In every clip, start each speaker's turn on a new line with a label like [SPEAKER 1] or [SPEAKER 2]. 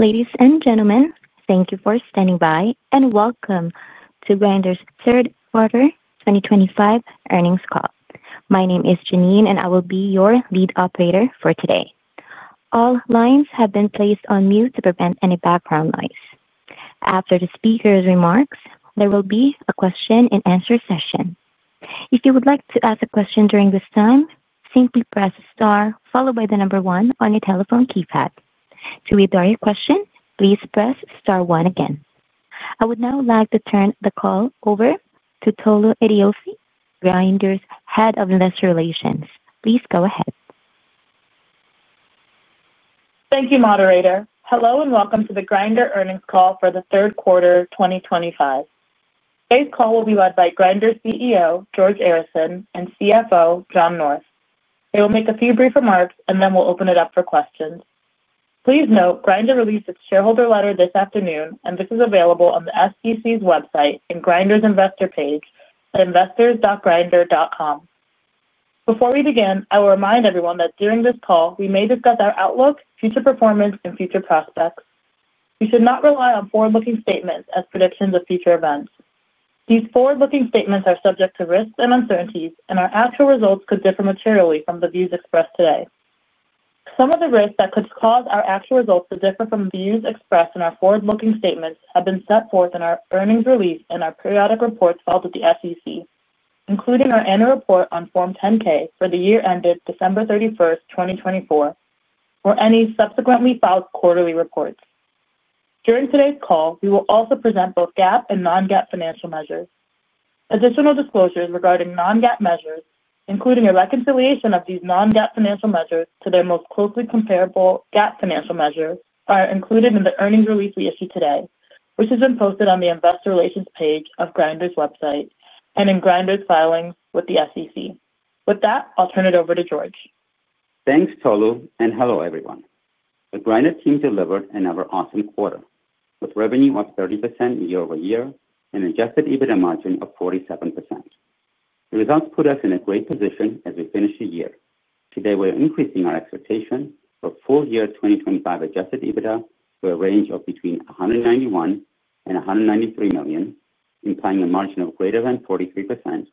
[SPEAKER 1] Ladies and gentlemen, thank you for standing by and welcome to Grindr's Third-Quarter 2025 Earnings Call. My name is Janine, and I will be your lead operator for today. All lines have been placed on mute to prevent any background noise. After the speaker's remarks, there will be a question-and-answer session. If you would like to ask a question during this time, simply press star followed by the number one on your telephone keypad. To aid our question, please press star one again. I would now like to turn the call over to Tolu Adeofe, Grindr's Head of Investor Relations. Please go ahead.
[SPEAKER 2] Thank you, Moderator. Hello and welcome to the Grindr earnings call for the third quarter 2025. Today's call will be led by Grindr CEO George Arison and CFO John North. They will make a few brief remarks, and then we'll open it up for questions. Please note, Grindr released its shareholder letter this afternoon, and this is available on the SEC's website and Grindr's investor page at investors.grindr.com. Before we begin, I will remind everyone that during this call, we may discuss our outlook, future performance, and future prospects. We should not rely on forward-looking statements as predictions of future events. These forward-looking statements are subject to risks and uncertainties, and our actual results could differ materially from the views expressed today. Some of the risks that could cause our actual results to differ from the views expressed in our forward-looking statements have been set forth in our earnings release and our periodic reports filed with the SEC, including our Annual Report on Form 10-K for the year ended December 31st, 2024, or any subsequently filed quarterly reports. During today's call, we will also present both GAAP and non-GAAP financial measures. Additional disclosures regarding non-GAAP measures, including a reconciliation of these non-GAAP financial measures to their most closely comparable GAAP financial measures, are included in the earnings release we issued today, which has been posted on the Investor Relations page of Grindr's website and in Grindr's filings with the SEC. With that, I'll turn it over to George.
[SPEAKER 3] Thanks, Tolu, and hello everyone. The Grindr team delivered another awesome quarter, with revenue of 30% year-over-year and an adjusted EBITDA margin of 47%. The results put us in a great position as we finish the year. Today, we're increasing our expectation for full-year 2025 adjusted EBITDA to a range of between $191 million-$193 million, implying a margin of greater than 43%,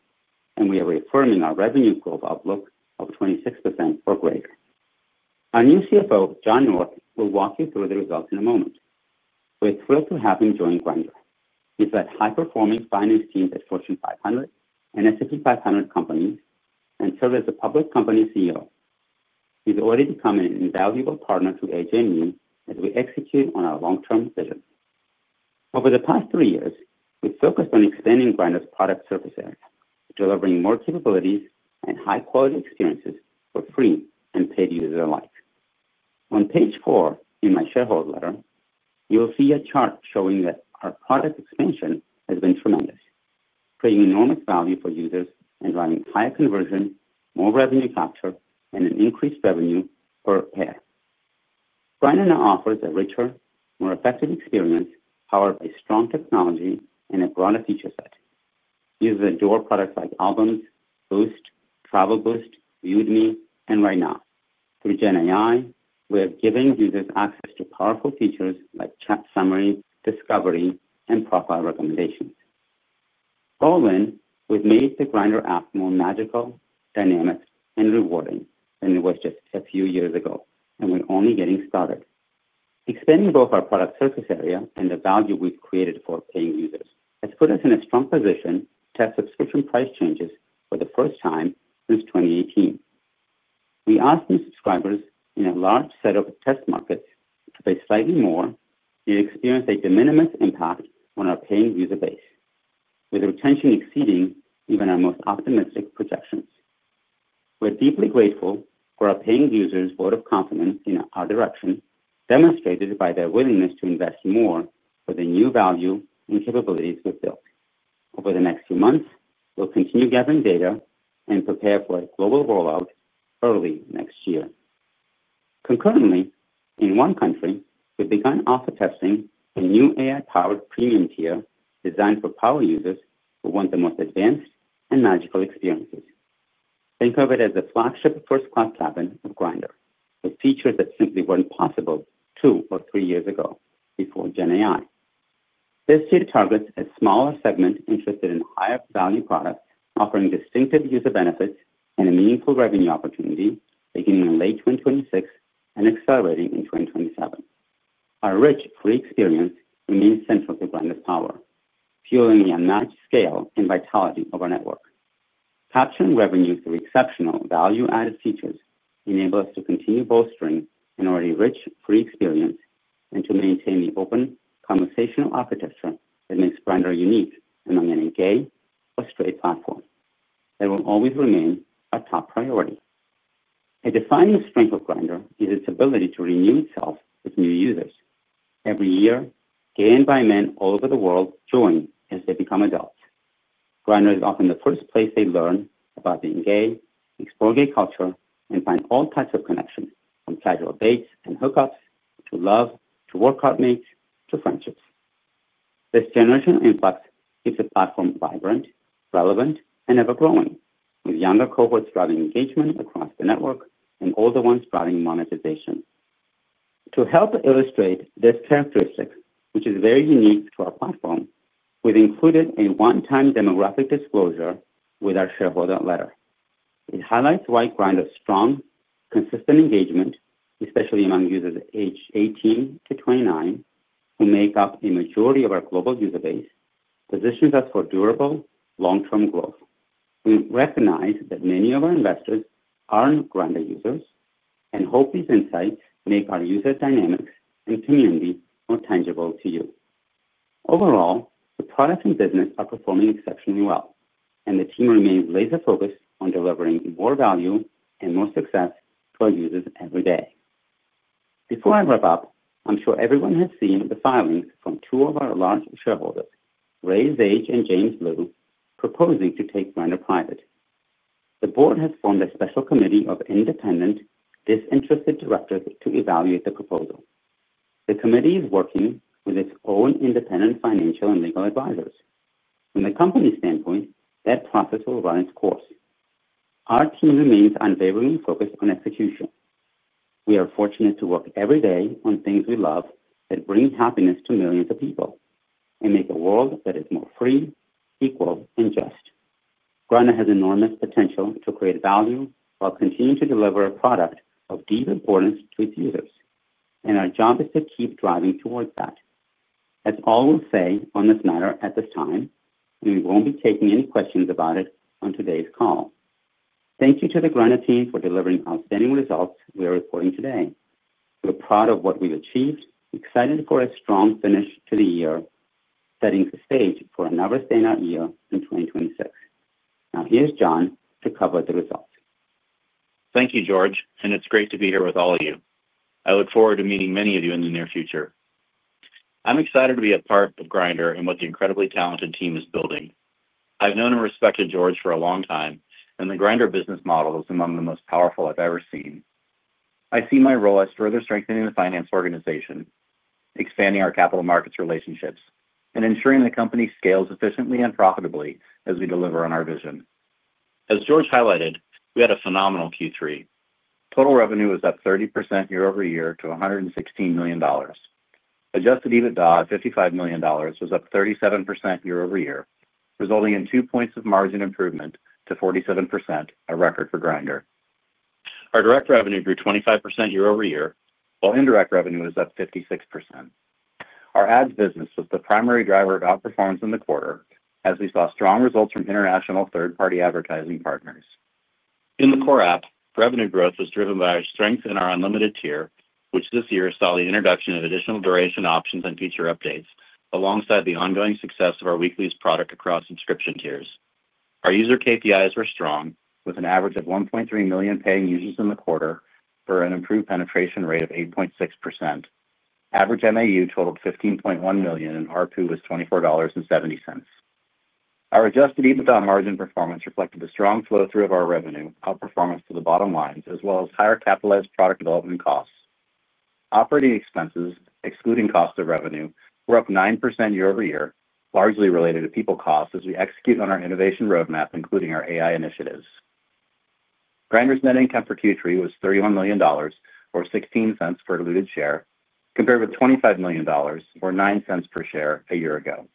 [SPEAKER 3] and we are reaffirming our revenue growth outlook of 26% or greater. Our new CFO, John North, will walk you through the results in a moment. We're thrilled to have him join Grindr. He's led high-performing finance teams at Fortune 500 and S&P 500 companies and served as a public company CEO. He's already become an invaluable partner to AJ and me as we execute on our long-term vision. Over the past three years, we've focused on expanding Grindr's product service area, delivering more capabilities and high-quality experiences for free and paid users alike. On page four in my shareholder letter, you'll see a chart showing that our product expansion has been tremendous, creating enormous value for users and driving higher conversion, more revenue capture, and an increased revenue per pair. Grindr now offers a richer, more effective experience powered by strong technology and a broader feature set. Users adore products like Albums, Boost, Travel Boost, Viewed Me, and Right Now. Through GenAI, we're giving users access to powerful features like chat summaries, discovery, and profile recommendations. All in, we've made the Grindr app more magical, dynamic, and rewarding than it was just a few years ago, and we're only getting started. Expanding both our product service area and the value we've created for paying users has put us in a strong position to test subscription price changes for the first time since 2018. We asked new subscribers in a large set of test markets to pay slightly more to experience a de minimis impact on our paying user base, with retention exceeding even our most optimistic projections. We're deeply grateful for our paying users' vote of confidence in our direction, demonstrated by their willingness to invest more for the new value and capabilities we've built. Over the next few months, we'll continue gathering data and prepare for a global rollout early next year. Concurrently, in one country, we've begun alpha testing a new AI-powered premium tier designed for power users who want the most advanced and magical experiences. Think of it as the flagship first-class cabin of Grindr, with features that simply were not possible two or three years ago before GenAI. This tier targets a smaller segment interested in higher-value products offering distinctive user benefits and a meaningful revenue opportunity, beginning in late 2026 and accelerating in 2027. Our rich free experience remains central to Grindr's power, fueling the unmatched scale and vitality of our network. Capturing revenue through exceptional value-added features enables us to continue bolstering an already rich free experience and to maintain the open conversational architecture that makes Grindr unique among any gay or straight platform. That will always remain our top priority. A defining strength of Grindr is its ability to renew itself with new users. Every year, gay and bi men all over the world join as they become adults. Grindr is often the first place they learn about being gay, explore gay culture, and find all types of connections, from casual dates and hookups to love, to work-hard mates, to friendships. This generational influx keeps the platform vibrant, relevant, and ever-growing, with younger cohorts driving engagement across the network and older ones driving monetization. To help illustrate this characteristic, which is very unique to our platform, we have included a one-time demographic disclosure with our shareholder letter. It highlights why Grindr's strong, consistent engagement, especially among users aged 18-29, who make up a majority of our global user base, positions us for durable, long-term growth. We recognize that many of our investors are not Grindr users, and hope these insights make our user dynamics and community more tangible to you. Overall, the product and business are performing exceptionally well, and the team remains laser-focused on delivering more value and more success to our users every day. Before I wrap up, I'm sure everyone has seen the filings from two of our large shareholders, Ray Zage and James Lu, proposing to take Grindr private. The board has formed a special committee of independent, disinterested directors to evaluate the proposal. The committee is working with its own independent financial and legal advisors. From the company's standpoint, that process will run its course. Our team remains unwaveringly focused on execution. We are fortunate to work every day on things we love that bring happiness to millions of people and make a world that is more free, equal, and just. Grindr has enormous potential to create value while continuing to deliver a product of deep importance to its users, and our job is to keep driving towards that. That is all we will say on this matter at this time, and we will not be taking any questions about it on today's call. Thank you to the Grindr team for delivering outstanding results we are reporting today. We are proud of what we have achieved, excited for a strong finish to the year, setting the stage for another standout year in 2026. Now, here is John to cover the results.
[SPEAKER 4] Thank you, George, and it's great to be here with all of you. I look forward to meeting many of you in the near future. I'm excited to be a part of Grindr and what the incredibly talented team is building. I've known and respected George for a long time, and the Grindr business model is among the most powerful I've ever seen. I see my role as further strengthening the finance organization, expanding our capital markets relationships, and ensuring the company scales efficiently and profitably as we deliver on our vision. As George highlighted, we had a phenomenal Q3. Total revenue was up 30% year-over-year to $116 million. Adjusted EBITDA of $55 million was up 37% year-over-year, resulting in two points of margin improvement to 47%, a record for Grindr. Our direct revenue grew 25% year-over-year, while indirect revenue was up 56%. Our ads business was the primary driver of outperformance in the quarter, as we saw strong results from international third-party advertising partners. In the core app, revenue growth was driven by our strength in our Unlimited tier, which this year saw the introduction of additional duration options and feature updates, alongside the ongoing success of our Weeklys product across subscription tiers. Our user KPIs were strong, with an average of 1.3 million paying users in the quarter for an improved penetration rate of 8.6%. Average MAU totaled 15.1 million, and RPU was $24.70. Our adjusted EBITDA margin performance reflected the strong flow-through of our revenue, outperformance to the bottom lines, as well as higher capitalized product development costs. Operating expenses, excluding cost of revenue, were up 9% year-over-year, largely related to people costs as we execute on our innovation roadmap, including our AI initiatives. Grindr's net income for Q3 was $31 million or $0.16 per diluted share, compared with $25 million or $0.09 per share a year ago.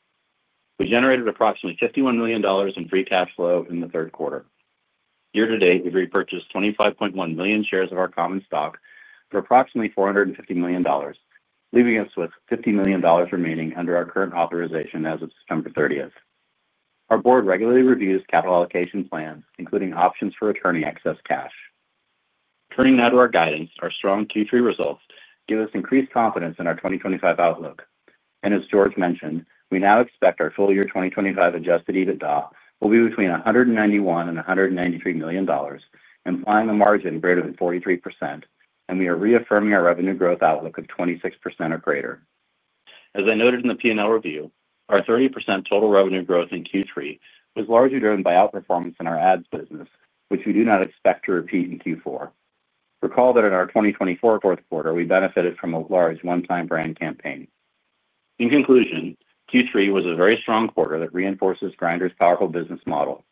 [SPEAKER 4] We generated approximately $51 million in free cash flow in the third quarter. Year-to-date, we've repurchased 25.1 million shares of our common stock for approximately $450 million, leaving us with $50 million remaining under our current authorization as of September 30th. Our board regularly reviews capital allocation plans, including options for attorney access cash. Turning now to our guidance, our strong Q3 results give us increased confidence in our 2025 outlook. And as George mentioned, we now expect our full-year 2025 adjusted EBITDA will be between $191 million-$193 million, implying a margin greater than 43%, and we are reaffirming our revenue growth outlook of 26% or greater. As I noted in the P&L review, our 30% total revenue growth in Q3 was largely driven by outperformance in our ads business, which we do not expect to repeat in Q4. Recall that in our 2024 fourth quarter, we benefited from a large one-time brand campaign. In conclusion, Q3 was a very strong quarter that reinforces Grindr's powerful business model.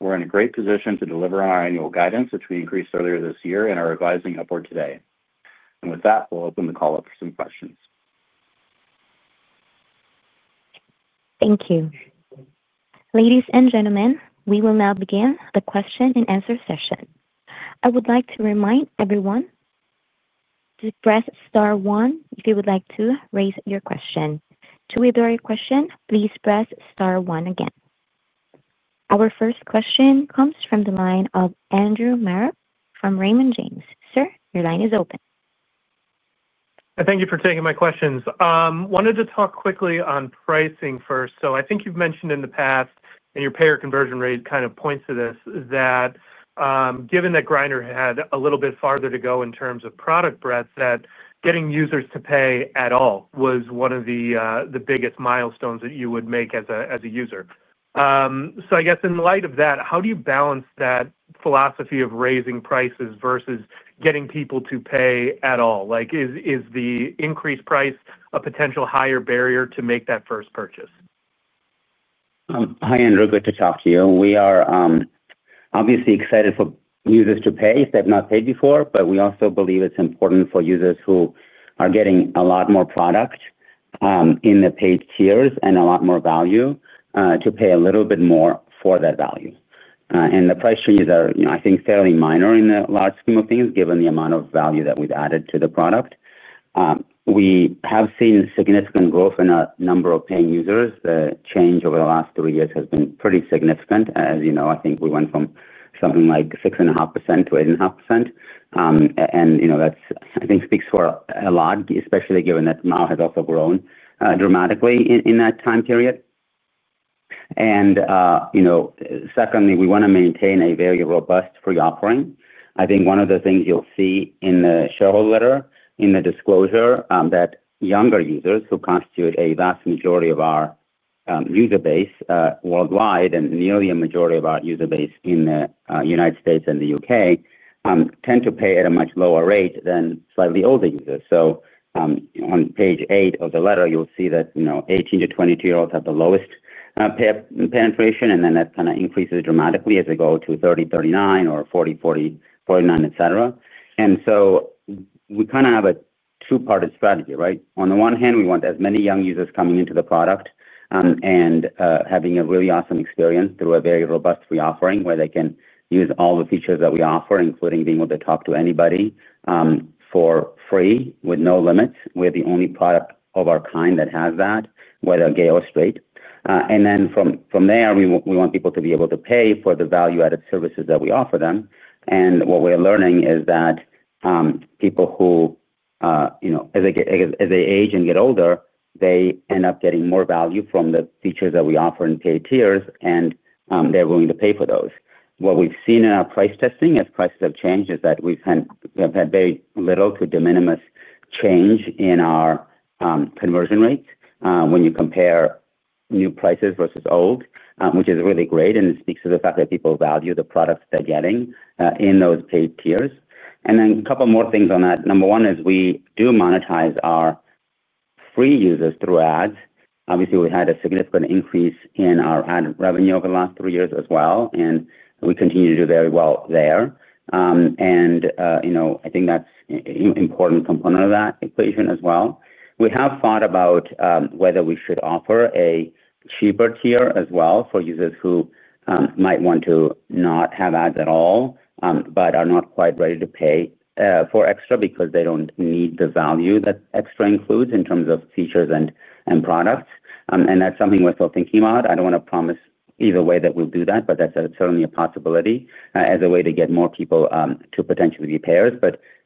[SPEAKER 4] We're in a great position to deliver on our annual guidance, which we increased earlier this year and are advising upward today. With that, we'll open the call up for some questions.
[SPEAKER 1] Thank you. Ladies and gentlemen, we will now begin the question-and-answer session. I would like to remind everyone to press star one if you would like to raise your question. To withdraw your question, please press star one again. Our first question comes from the line of Andrew Marok from Raymond James. Sir, your line is open.
[SPEAKER 5] Thank you for taking my questions. Wanted to talk quickly on pricing first. I think you've mentioned in the past, and your payer conversion rate kind of points to this, that given that Grindr had a little bit farther to go in terms of product breadth, that getting users to pay at all was one of the biggest milestones that you would make as a user. So I guess in light of that, how do you balance that philosophy of raising prices versus getting people to pay at all? Is the increased price a potential higher barrier to make that first purchase?
[SPEAKER 3] Hi, Andrew. Good to talk to you. We are obviously excited for users to pay if they've not paid before, but we also believe it's important for users who are getting a lot more product in the paid tiers and a lot more value to pay a little bit more for that value. And the price changes are, I think, fairly minor in the large scheme of things, given the amount of value that we've added to the product. We have seen significant growth in our number of paying users. The change over the last three years has been pretty significant. As you know, I think we went from something like 6.5%-8.5%. I think that speaks for a lot, especially given that MAU has also grown dramatically in that time period. Secondly, we want to maintain a very robust free offering. I think one of the things you'll see in the shareholder letter, in the disclosure, is that younger users, who constitute a vast majority of our user base worldwide and nearly a majority of our user base in the United States and the U.K., tend to pay at a much lower rate than slightly older users. On page eight of the letter, you'll see that 18-22-year-olds have the lowest payer penetration, and then that kind of increases dramatically as we go to 30-39 or 40-49, etc. We kind of have a two-parted strategy, right? On the one hand, we want as many young users coming into the product and having a really awesome experience through a very robust free offering where they can use all the features that we offer, including being able to talk to anybody for free with no limits. We're the only product of our kind that has that, whether gay or straight. And from there, we want people to be able to pay for the value-added services that we offer them. What we're learning is that people who, as they age and get older, they end up getting more value from the features that we offer in paid tiers, and they're willing to pay for those. What we've seen in our price testing, as prices have changed, is that we've had very little to de minimis change in our conversion rates when you compare new prices versus old, which is really great, and it speaks to the fact that people value the products they're getting in those paid tiers. And then a couple more things on that. Number one is we do monetize our free users through ads. Obviously, we've had a significant increase in our ad revenue over the last three years as well, and we continue to do very well there. I think that's an important component of that equation as well. We have thought about whether we should offer a cheaper tier as well for users who might want to not have ads at all but are not quite ready to pay for XTRA because they don't need the value that XTRA includes in terms of features and products. That's something we're still thinking about. I don't want to promise either way that we'll do that, but that's certainly a possibility as a way to get more people to potentially be payers.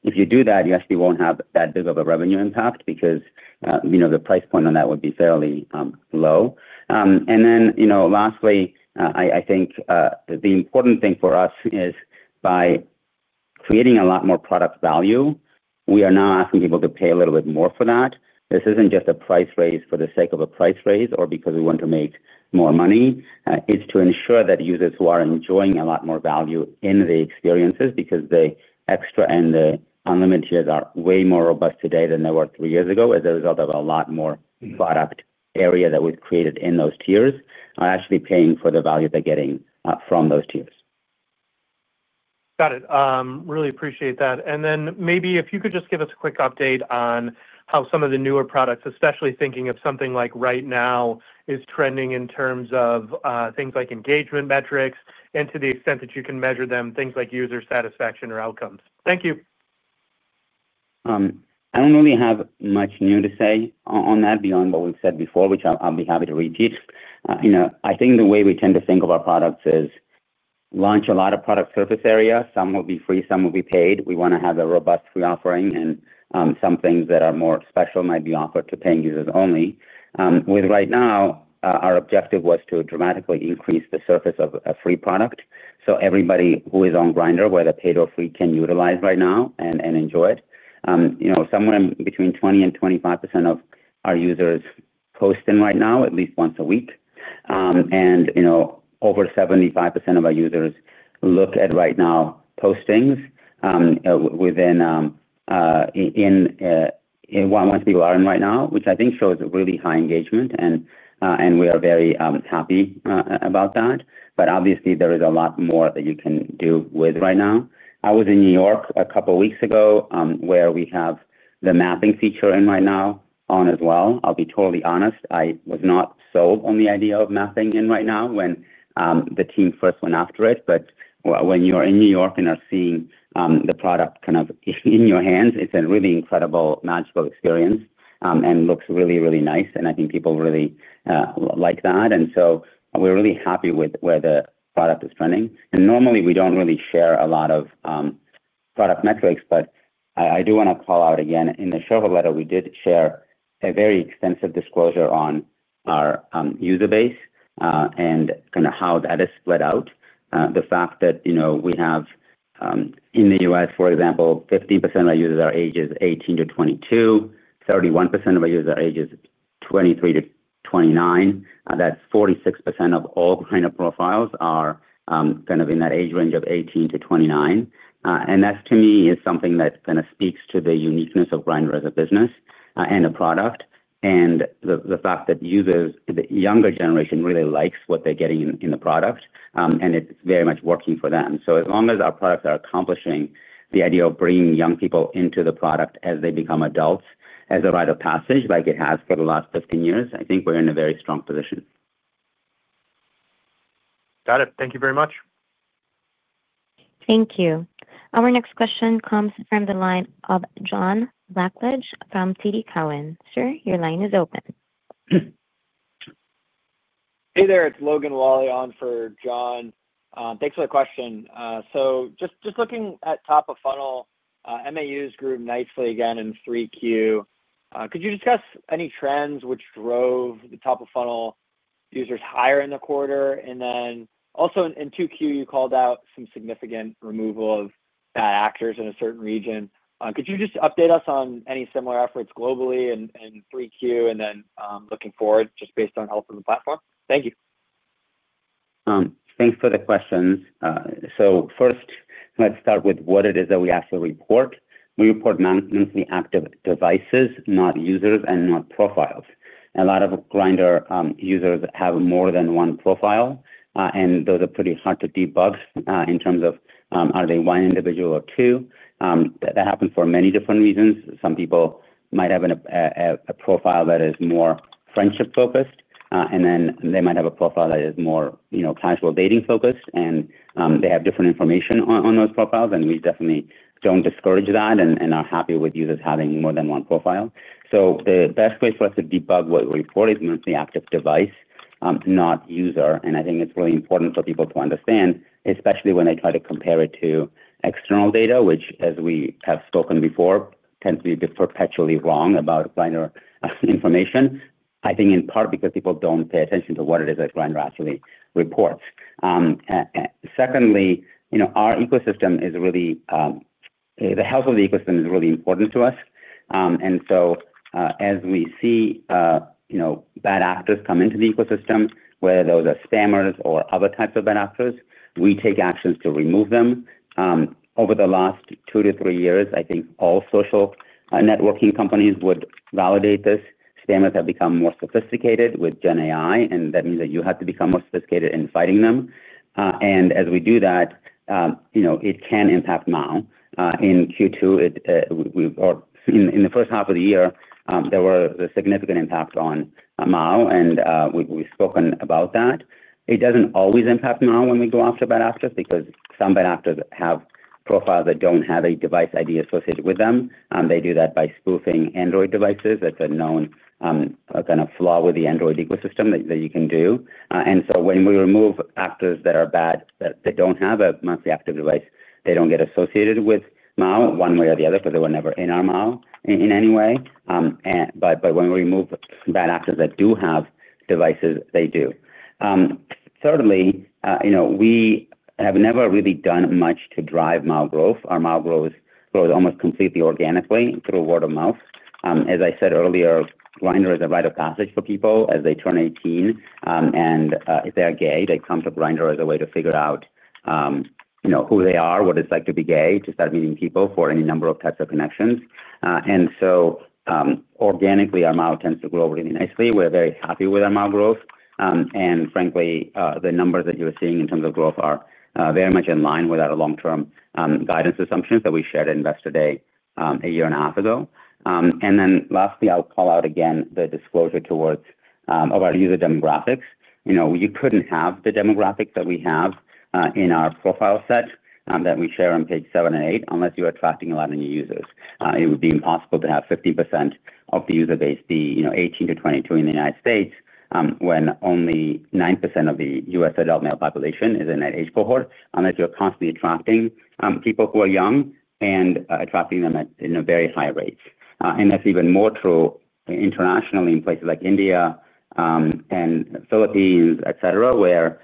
[SPEAKER 3] If you do that, you actually won't have that big of a revenue impact because the price point on that would be fairly low. Lastly, I think the important thing for us is by creating a lot more product value, we are now asking people to pay a little bit more for that. This is not just a price raise for the sake of a price raise or because we want to make more money. It is to ensure that users who are enjoying a lot more value in the experiences because the XTRA and the Unlimited tiers are way more robust today than they were three years ago. As a result of a lot more product area that we have created in those tiers, users are actually paying for the value they are getting from those tiers.
[SPEAKER 5] Got it. Really appreciate that. Maybe if you could just give us a quick update on how some of the newer products, especially thinking of something like Right Now, is trending in terms of things like engagement metrics and to the extent that you can measure them, things like user satisfaction or outcomes. Thank you.
[SPEAKER 3] I do not really have much new to say on that beyond what we have said before, which I will be happy to repeat. I think the way we tend to think of our products is launch a lot of product surface area. Some will be free, some will be paid. We want to have a robust free offering, and some things that are more special might be offered to paying users only. With Right Now, our objective was to dramatically increase the surface of a free product so everybody who is on Grindr, whether paid or free, can utilize Right Now and enjoy it. Somewhere between 20% and 25% of our users posting Right Now at least once a week. Over 75% of our users look at Right Now postings. What most people are in right now, which I think shows a really high engagement, and we are very happy about that. But obviously, there is a lot more that you can do with Right Now. I was in New York a couple of weeks ago where we have the mapping feature in Right Now on as well. I'll be totally honest, I was not sold on the idea of mapping in Right Now when the team first went after it. But when you're in New York and are seeing the product kind of in your hands, it's a really incredible, magical experience and looks really, really nice. I think people really like that. So we are really happy with where the product is trending. Normally, we don't really share a lot of. Product metrics, but I do want to call out again, in the shareholder letter, we did share a very extensive disclosure on our user base and kind of how that is split out. The fact that we have. In the U.S., for example, 15% of our users are ages 18-22, 31% of our users are ages 23-29. That's 46% of all Grindr profiles are kind of in that age range of 18-29. That, to me, is something that kind of speaks to the uniqueness of Grindr as a business and a product. The fact that younger generation really likes what they're getting in the product, and it's very much working for them. So as long as our products are accomplishing the idea of bringing young people into the product as they become adults, as a rite of passage, like it has for the last 15 years, I think we're in a very strong position.
[SPEAKER 5] Got it. Thank you very much.
[SPEAKER 1] Thank you. Our next question comes from the line of John Blackledge from TD Cowen. Sir, your line is open.
[SPEAKER 6] Hey there, it's Logan Wally on for John. Thanks for the question. Just looking at top of funnel, MAUs grew nicely again in 3Q. Could you discuss any trends which drove the top of funnel users higher in the quarter? And then also, in 2Q, you called out some significant removal of bad actors in a certain region. Could you just update us on any similar efforts globally in 3Q and then looking forward, just based on health of the platform? Thank you.
[SPEAKER 3] Thanks for the questions. So first, let's start with what it is that we actually report. We report mostly active devices, not users and not profiles. A lot of Grindr users have more than one profile, and those are pretty hard to debug in terms of are they one individual or two. That happens for many different reasons. Some people might have a profile that is more friendship-focused, and they might have a profile that is more casual dating-focused, and they have different information on those profiles. We definitely do not discourage that and are happy with users having more than one profile. The best way for us to debug what we report is mostly active device, not user. I think it's really important for people to understand, especially when they try to compare it to external data, which, as we have spoken before, tends to be perpetually wrong about Grindr information. I think in part because people don't pay attention to what it is that Grindr actually reports. Secondly, our ecosystem is really. The health of the ecosystem is really important to us. And so as we see bad actors come into the ecosystem, whether those are spammers or other types of bad actors, we take actions to remove them. Over the last two to three years, I think all social networking companies would validate this. Spammers have become more sophisticated with GenAI, and that means that you have to become more sophisticated in fighting them. And as we do that, it can impact MAU. In Q2. In the first half of the year, there was a significant impact on MAU, and we've spoken about that. It doesn't always impact MAU when we go after bad actors because some bad actors have profiles that don't have a device ID associated with them. They do that by spoofing Android devices. That's a known kind of flaw with the Android ecosystem that you can do. And so when we remove actors that are bad, that don't have a monthly active device, they don't get associated with MAU one way or the other because they were never in our MAU in any way. But when we remove bad actors that do have devices, they do. Thirdly, we have never really done much to drive MAU growth. Our MAU grows almost completely organically through word of mouth. As I said earlier, Grindr is a rite of passage for people as they turn 18. And if they are gay, they come to Grindr as a way to figure out who they are, what it is like to be gay, to start meeting people for any number of types of connections. And so organically, our MAU tends to grow really nicely. We are very happy with our MAU growth. Frankly, the numbers that you are seeing in terms of growth are very much in line with our long-term guidance assumptions that we shared at Investor Day a year and a half ago. Lastly, I will call out again the disclosure towards our user demographics. You could not have the demographics that we have in our profile set that we share on page seven and eight unless you are attracting a lot of new users. It would be impossible to have 15% of the user base be 18-22 in the United States when only 9% of the U.S. adult male population is in that age cohort unless you're constantly attracting people who are young and attracting them at very high rates. That is even more true internationally in places like India and Philippines, etc., where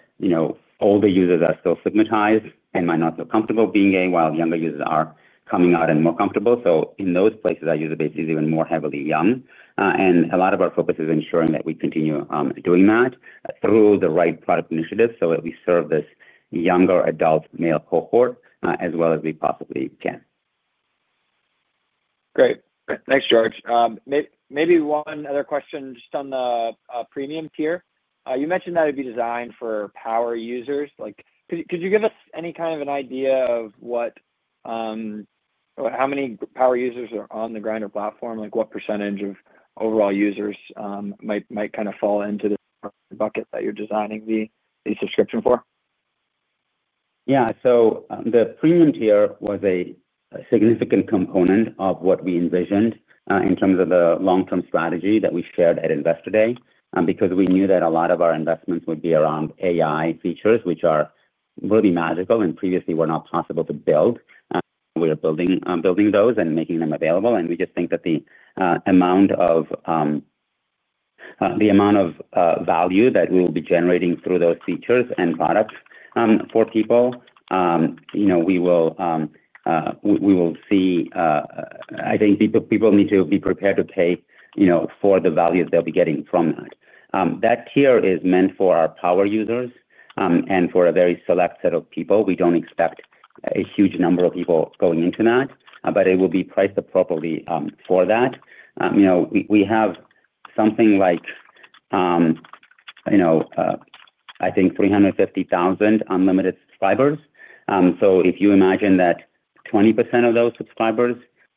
[SPEAKER 3] older users are still stigmatized and might not feel comfortable being gay, while younger users are coming out and more comfortable. In those places, our user base is even more heavily young. And a lot of our focus is ensuring that we continue doing that through the right product initiatives so that we serve this younger adult male cohort as well as we possibly can.
[SPEAKER 6] Great. Thanks, George. Maybe one other question just on the premium tier. You mentioned that it'd be designed for power users. Could you give us any kind of an idea of how many power users are on the Grindr platform? What percentage of overall users might kind of fall into the bucket that you're designing the subscription for?
[SPEAKER 3] Yeah. The premium tier was a significant component of what we envisioned in terms of the long-term strategy that we shared at Investor Day because we knew that a lot of our investments would be around AI features, which are really magical and previously were not possible to build. We are building those and making them available. We just think that the amount of value that we will be generating through those features and products for people, you know we will see. I think people need to be prepared to pay for the value that they'll be getting from that. That tier is meant for our power users and for a very select set of people. We do not expect a huge number of people going into that, but it will be priced appropriately for that. We have something like, I think, 350,000 Unlimited subscribers. So if you imagine that 20% of those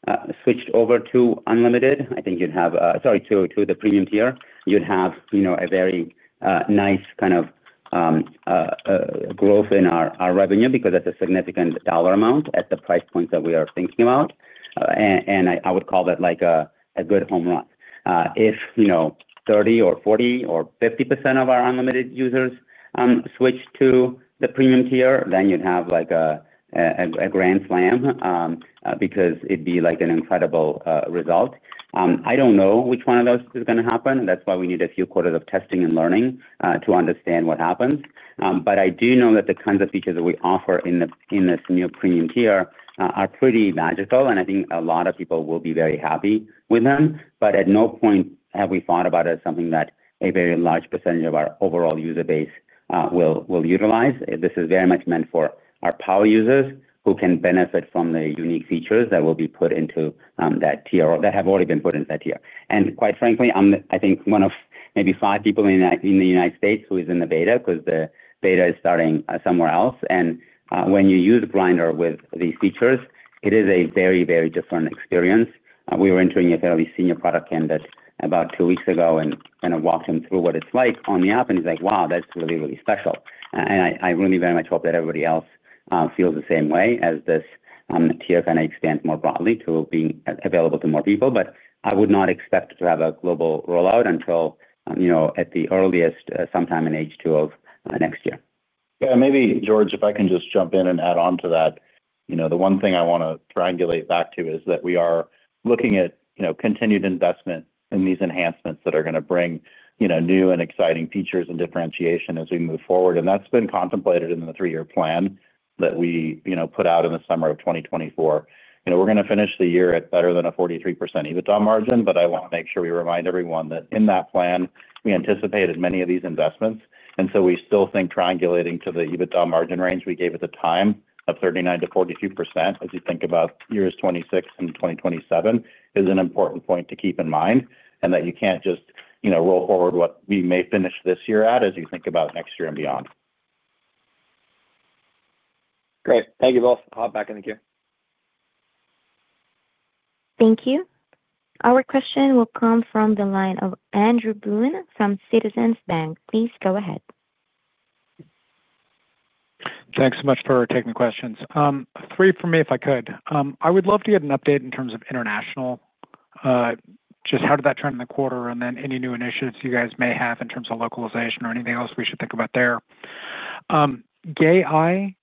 [SPEAKER 3] subscribers switched over to Unlimited, I think you'd have—sorry, to the premium tier, you'd have a very nice kind of growth in our revenue because that's a significant dollar amount at the price points that we are thinking about. And I would call that like a good home run. If you know 30% or 40% or 50% of our Unlimited users switch to the premium tier, then you'd have a grand slam because it'd be like an incredible result. I don't know which one of those is going to happen. That's why we need a few quarters of testing and learning to understand what happens. But I do know that the kinds of features that we offer in this new premium tier are pretty magical. I think a lot of people will be very happy with them. But at no point have we thought about it as something that a very large percentage of our overall user base will utilize. This is very much meant for our power users who can benefit from the unique features that will be put into that tier or that have already been put into that tier. And quite frankly, I think I am one of maybe five people in the United States who is in the beta because the beta is starting somewhere else. And when you use Grindr with these features, it is a very, very different experience. We were entering a fairly senior product candidate about two weeks ago and kind of walked him through what it is like on the app. He's like, "Wow, that's really, really special." I really very much hope that everybody else feels the same way as this tier kind of expands more broadly to being available to more people. I would not expect to have a global rollout until, at the earliest, sometime in H2 next year.
[SPEAKER 4] Yeah. Maybe, George, if I can just jump in and add on to that. The one thing I want to triangulate back to is that we are looking at continued investment in these enhancements that are going to bring new and exciting features and differentiation as we move forward. That has been contemplated in the three-year plan that we put out in the summer of 2024. We are going to finish the year at better than a 43% EBITDA margin, but I want to make sure we remind everyone that in that plan, we anticipated many of these investments. We still think triangulating to the EBITDA margin range we gave at the time of 39-42% as you think about years 2026 and 2027 is an important point to keep in mind, and that you can't just roll forward what we may finish this year at as you think about next year and beyond.
[SPEAKER 6] Great. Thank you both. I'll hop back in the queue.
[SPEAKER 1] Thank you. Our question will come from the line of Andrew Boone from Citizens Bank. Please go ahead.
[SPEAKER 7] Thanks so much for taking the questions. Three for me, if I could. I would love to get an update in terms of international. Just how did that turn in the quarter and then any new initiatives you guys may have in terms of localization or anything else we should think about there. gAI.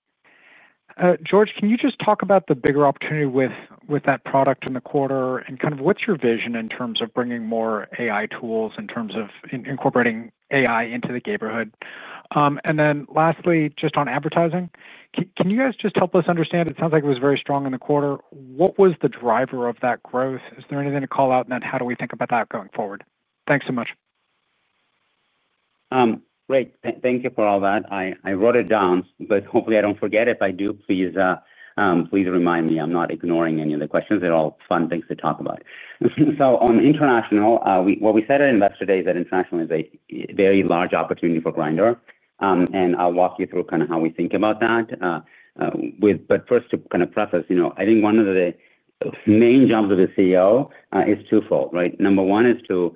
[SPEAKER 7] George, can you just talk about the bigger opportunity with that product in the quarter and kind of what's your vision in terms of bringing more AI tools in terms of incorporating AI into the gayhood? And then lastly, just on advertising, can you guys just help us understand? It sounds like it was very strong in the quarter. What was the driver of that growth? Is there anything to call out? And then how do we think about that going forward? Thanks so much.
[SPEAKER 3] Great. Thank you for all that. I wrote it down, but hopefully I do not forget. If I do, please remind me. I am not ignoring any of the questions. They are all fun things to talk about. On international, what we said at Investor Day is that international is a very large opportunity for Grindr. And I will walk you through kind of how we think about that. First, to preface, I think one of the main jobs of a CEO is twofold, right? Number one is to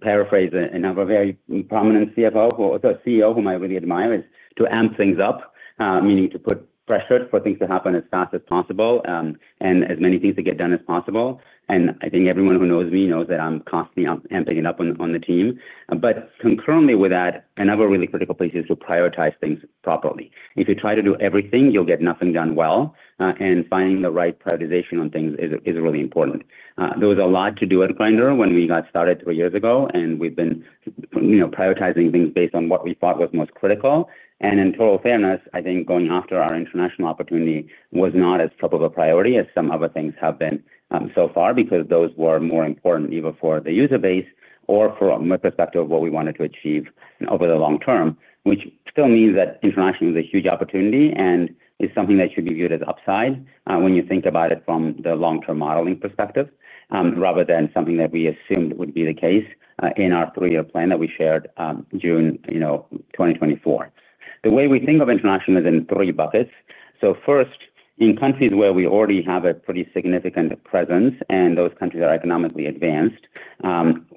[SPEAKER 3] paraphrase another very prominent CFO or CEO whom I really admire, is to amp things up, meaning to put pressure for things to happen as fast as possible and as many things to get done as possible. I think everyone who knows me knows that I am constantly amping it up on the team. Concurrently with that, another really critical place is to prioritize things properly. If you try to do everything, you'll get nothing done well. Finding the right prioritization on things is really important. There was a lot to do at Grindr when we got started three years ago, and we've been prioritizing things based on what we thought was most critical. In total fairness, I think going after our international opportunity was not as top of a priority as some other things have been so far because those were more important either for the user base or from a perspective of what we wanted to achieve over the long term. This still means that international is a huge opportunity and is something that should be viewed as upside when you think about it from the long-term modeling perspective rather than something that we assumed would be the case in our three-year plan that we shared in June 2024. The way we think of international is in three buckets. So first, in countries where we already have a pretty significant presence and those countries are economically advanced.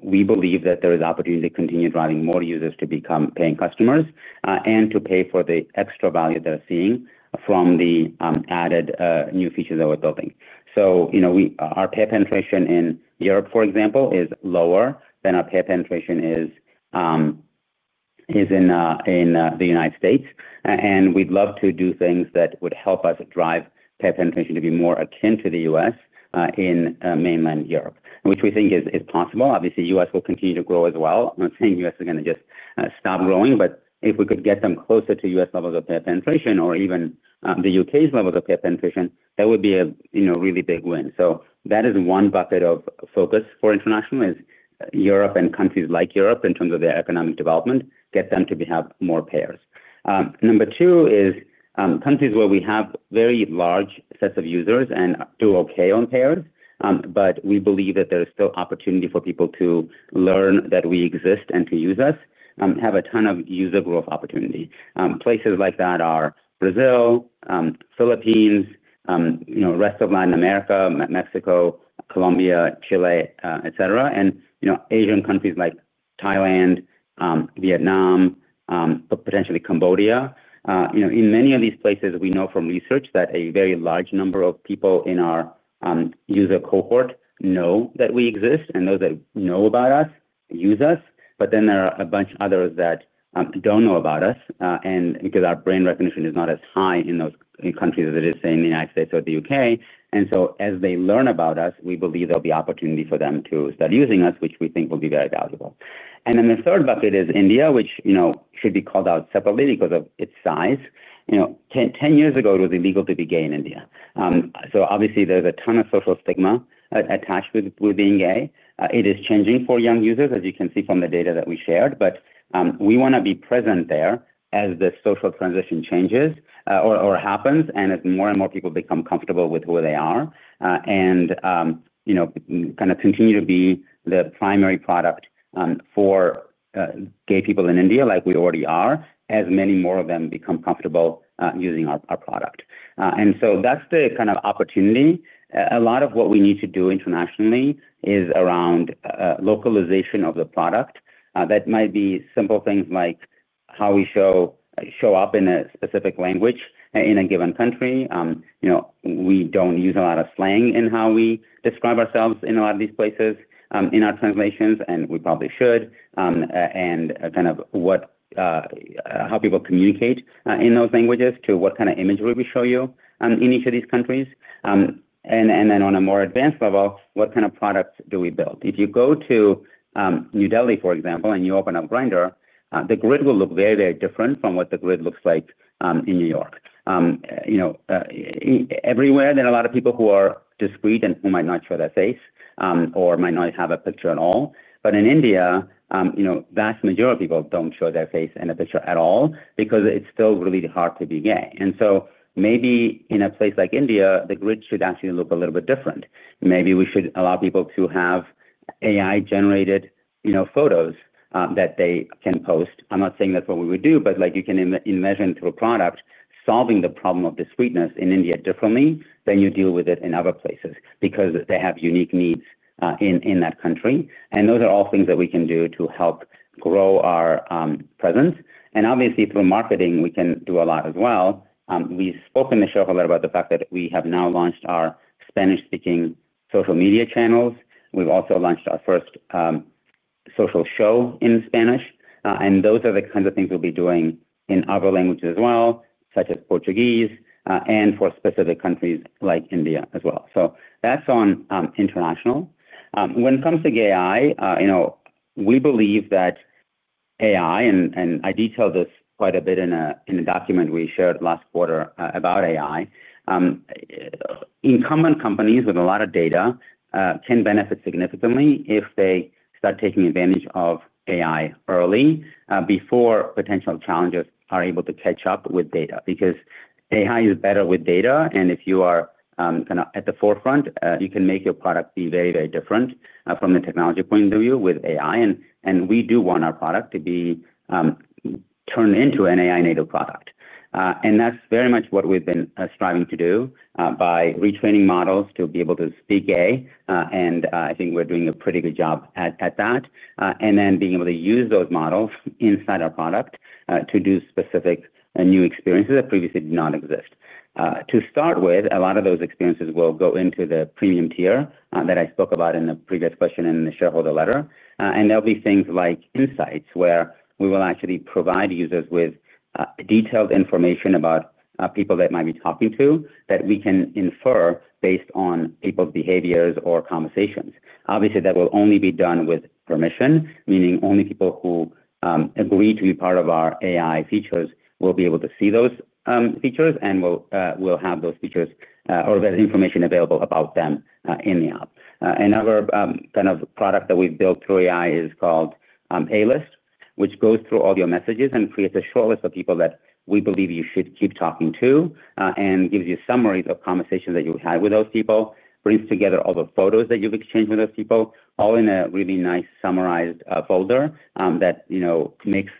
[SPEAKER 3] We believe that there is opportunity to continue driving more users to become paying customers and to pay for the extra value they're seeing from the added new features that we're building. So our pay penetration in Europe, for example, is lower than our pay penetration is in the United States. And we'd love to do things that would help us drive pay penetration to be more akin to the U.S. in Mainland Europe, which we think is possible. Obviously, the U.S. will continue to grow as well. I'm not saying the U.S. is going to just stop growing, but if we could get them closer to U.S. levels of pay penetration or even the U.K.'s levels of pay penetration, that would be a really big win. That is one bucket of focus for international, is Europe and countries like Europe in terms of their economic development, get them to have more payers. Number two is countries where we have very large sets of users and do okay on payers, but we believe that there is still opportunity for people to learn that we exist and to use us, have a ton of user growth opportunity. Places like that are Brazil, Philippines, rest of Latin America, Mexico, Colombia, Chile, etc., and Asian countries like Thailand, Vietnam, potentially Cambodia. In many of these places, we know from research that a very large number of people in our user cohort know that we exist, and those that know about us use us. But then there are a bunch of others that do not know about us because our brand recognition is not as high in those countries as it is, say, in the United States or the U.K. And so as they learn about us, we believe there will be opportunity for them to start using us, which we think will be very valuable. And the third bucket is India, which should be called out separately because of its size. Ten years ago, it was illegal to be gay in India. Obviously, there is a ton of social stigma attached with being gay. It is changing for young users, as you can see from the data that we shared. But we want to be present there as the social transition changes or happens and as more and more people become comfortable with who they are. And you know kind of continue to be the primary product for gay people in India, like we already are, as many more of them become comfortable using our product. And so that is the kind of opportunity. A lot of what we need to do internationally is around localization of the product. That might be simple things like how we show up in a specific language in a given country. You know we do not use a lot of slang in how we describe ourselves in a lot of these places in our translations, and we probably should. And kind of how people communicate in those languages to what kind of imagery we show you in each of these countries. And on a more advanced level, what kind of products do we build? If you go to. New Delhi, for example, and you open up Grindr, the grid will look very, very different from what the grid looks like in New York. Everywhere, there are a lot of people who are discreet and who might not show their face or might not have a picture at all. In India, the vast majority of people do not show their face and a picture at all because it is still really hard to be gay. Maybe in a place like India, the grid should actually look a little bit different. Maybe we should allow people to have AI-generated photos that they can post. I am not saying that is what we would do, but you can envision through a product solving the problem of discreetness in India differently than you deal with it in other places because they have unique needs in that country. Those are all things that we can do to help grow our presence. And obviously, through marketing, we can do a lot as well. We've spoken to Sheryl a lot about the fact that we have now launched our Spanish-speaking social media channels. We've also launched our first social show in Spanish. And those are the kinds of things we'll be doing in other languages as well, such as Portuguese and for specific countries like India as well. So that's on international. When it comes to AI, we believe that AI, and I detailed this quite a bit in a document we shared last quarter about AI, incoming companies with a lot of data can benefit significantly if they start taking advantage of AI early before potential challengers are able to catch up with data. Because AI is better with data, and if you are kind of at the forefront, you can make your product be very, very different from the technology point of view with AI. And we do want our product to be turned into an AI-native product. That is very much what we have been striving to do by retraining models to be able to speak A, and I think we are doing a pretty good job at that. Then being able to use those models inside our product to do specific new experiences that previously did not exist. To start with, a lot of those experiences will go into the premium tier that I spoke about in the previous question and the shareholder letter. There will be things like insights where we will actually provide users with. Detailed information about people that might be talking to that we can infer based on people's behaviors or conversations. Obviously, that will only be done with permission, meaning only people who agree to be part of our AI features will be able to see those features and will have those features or that information available about them in the app. Another kind of product that we've built through AI is called A-List, which goes through all your messages and creates a shortlist of people that we believe you should keep talking to and gives you summaries of conversations that you had with those people, brings together all the photos that you've exchanged with those people, all in a really nice summarized folder that makes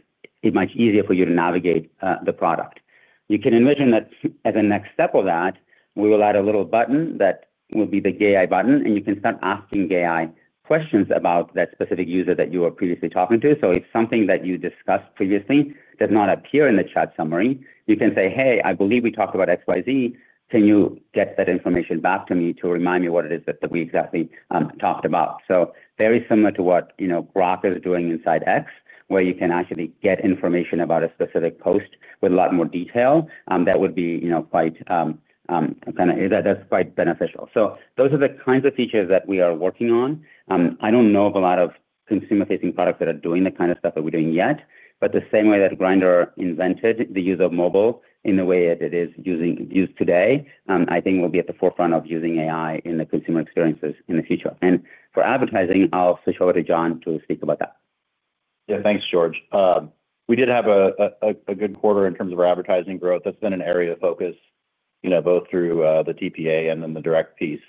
[SPEAKER 3] it much easier for you to navigate the product. You can envision that as a next step of that, we will add a little button that will be the gAI button, and you can start asking gAI questions about that specific user that you were previously talking to. If something that you discussed previously does not appear in the chat summary, you can say, "Hey, I believe we talked about XYZ. Can you get that information back to me to remind me what it is that we exactly talked about?" So very similar to what Grok is doing inside X, where you can actually get information about a specific post with a lot more detail. That would be quite, kind of, that's quite beneficial. So those are the kinds of features that we are working on. I do not know of a lot of consumer-facing products that are doing the kind of stuff that we are doing yet, but the same way that Grindr invented the use of mobile in the way that it is used today, I think we will be at the forefront of using AI in the consumer experiences in the future. And for advertising, I will switch over to John to speak about that.
[SPEAKER 4] Yeah, thanks, George. We did have a good quarter in terms of our advertising growth. That has been an area of focus, both through the TPA and then the direct piece.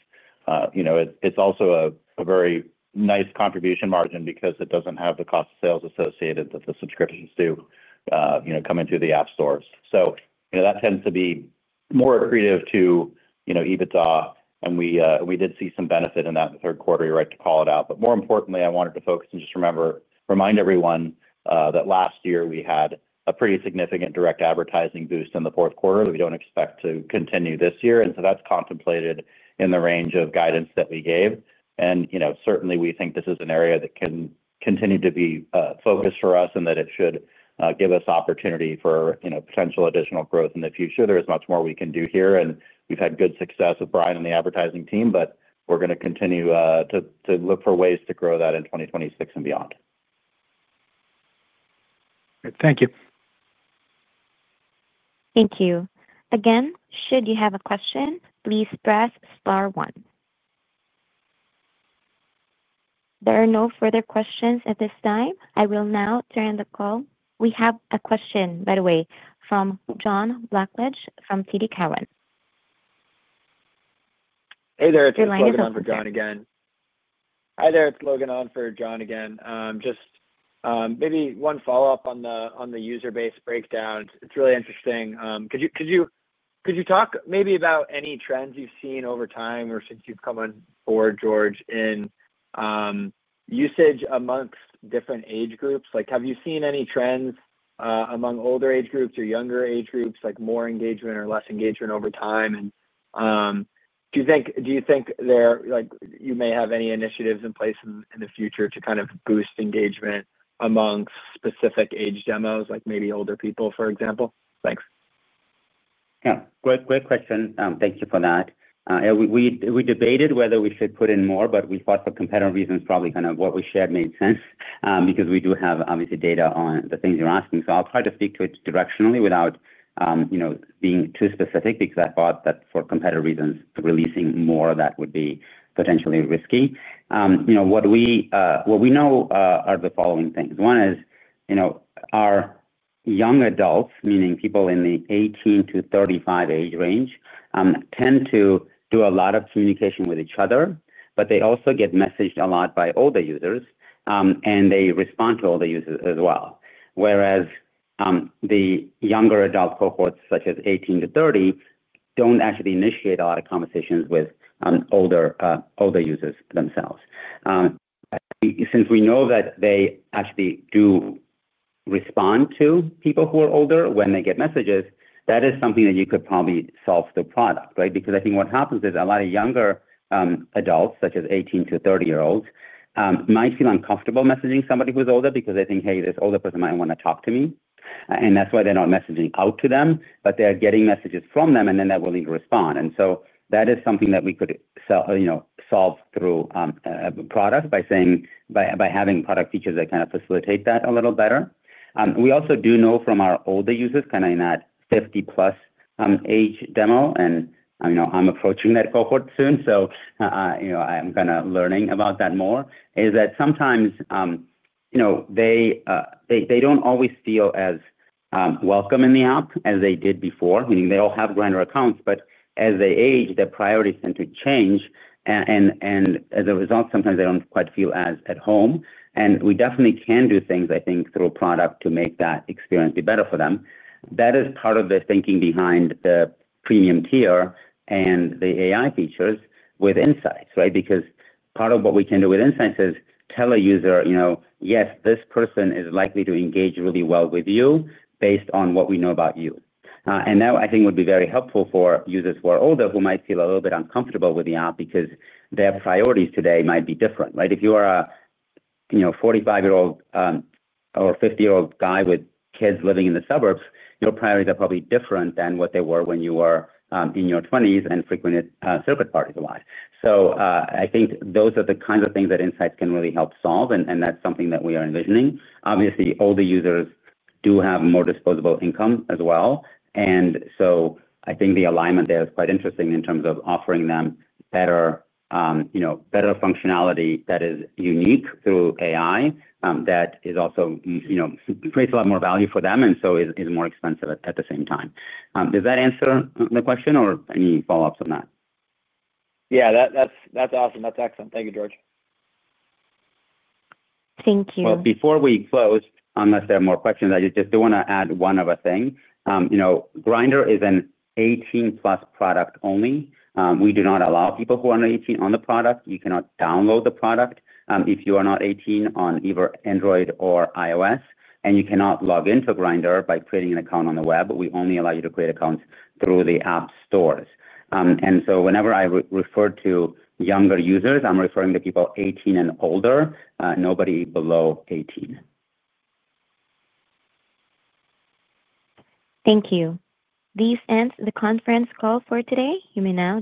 [SPEAKER 4] You know it is also a very nice contribution margin because it does not have the cost of sales associated that the subscriptions do, coming into the app stores. That tends to be more accretive to EBITDA, and we did see some benefit in that third quarter, you are right to call it out. More importantly, I wanted to focus and just remind everyone that last year we had a pretty significant direct advertising boost in the fourth quarter that we do not expect to continue this year, and that is contemplated in the range of guidance that we gave. Certainly, we think this is an area that can continue to be focused for us and that it should give us opportunity for potential additional growth in the future. There is much more we can do here, and we've had good success with Brian and the advertising team, but we're going to continue to look for ways to grow that in 2026 and beyond.
[SPEAKER 7] Thank you.
[SPEAKER 1] Thank you. Again, should you have a question, please press star one. There are no further questions at this time. I will now turn the call. We have a question, by the way, from John Blackledge from TD Cowen.
[SPEAKER 6] Hi there, it's Logan Wally for John again. Just maybe one follow-up on the user base breakdown. It's really interesting. Could you talk maybe about any trends you've seen over time or since you've come on board, George, in usage amongst different age groups? Have you seen any trends among older age groups or younger age groups, like more engagement or less engagement over time? Do you think you may have any initiatives in place in the future to kind of boost engagement among specific age demos, like maybe older people, for example? Thanks.
[SPEAKER 3] Yeah. Great question. Thank you for that. We debated whether we should put in more, but we thought for competitive reasons, probably kind of what we shared made sense because we do have obviously data on the things you're asking. I'll try to speak to it directionally without being too specific because I thought that for competitive reasons, releasing more of that would be potentially risky. What we know are the following things. One is our young adults, meaning people in the 18-35 age range, tend to do a lot of communication with each other, but they also get messaged a lot by older users, and they respond to older users as well. Whereas the younger adult cohorts, such as 18-30, don't actually initiate a lot of conversations with older users themselves. Since we know that they actually do. Respond to people who are older when they get messages, that is something that you could probably solve through product, right? I think what happens is a lot of younger adults, such as 18-30-year-olds, might feel uncomfortable messaging somebody who's older because they think, "Hey, this older person might want to talk to me." That is why they're not messaging out to them, but they're getting messages from them, and then they're willing to respond. So that is something that we could solve through a product by having product features that kind of facilitate that a little better. We also do know from our older users, kind of in that 50+ age demo, and I'm approaching that cohort soon, so I'm kind of learning about that more, is that sometimes they don't always feel as welcome in the app as they did before. Meaning they all have Grindr accounts, but as they age, their priorities tend to change, and as a result, sometimes they do not quite feel as at home. We definitely can do things, I think, through a product to make that experience be better for them. That is part of the thinking behind the premium tier and the AI features with insights, right? Because part of what we can do with insights is tell a user, "Yes, this person is likely to engage really well with you based on what we know about you." I think that would be very helpful for users who are older who might feel a little bit uncomfortable with the app because their priorities today might be different, right? If you are a 45-year-old. a 50-year-old guy with kids living in the suburbs, your priorities are probably different than what they were when you were in your 20s and frequented circuit parties a lot. I think those are the kinds of things that insights can really help solve, and that's something that we are envisioning. Obviously, older users do have more disposable income as well. And so I think the alignment there is quite interesting in terms of offering them better functionality that is unique through AI that also creates a lot more value for them and so is more expensive at the same time. Does that answer the question or any follow-ups on that?
[SPEAKER 6] Yeah, that's awesome. That's excellent. Thank you, George.
[SPEAKER 1] Thank you.
[SPEAKER 3] Before we close, unless there are more questions, I just do want to add one other thing. You know Grindr is an 18-plus product only. We do not allow people who are under 18 on the product. You cannot download the product if you are not 18 on either Android or iOS, and you cannot log into Grindr by creating an account on the web. We only allow you to create accounts through the app stores. Whenever I refer to younger users, I'm referring to people 18 and older, nobody below 18.
[SPEAKER 1] Thank you. This ends the conference call for today. You may now.